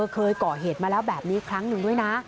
เคยก่อเหตุมาแล้วแบบนี้ครั้งหนึ่งด้วยนะ